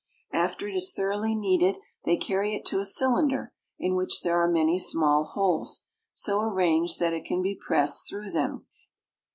After it is thoroughly kneaded they carry it to a cylinder, in which there are many small holes, so arranged that it can be pressed through them.